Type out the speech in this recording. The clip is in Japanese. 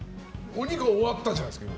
お肉は終わったじゃないですか。